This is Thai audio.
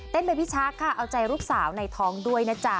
เป็นพี่ชักค่ะเอาใจลูกสาวในท้องด้วยนะจ๊ะ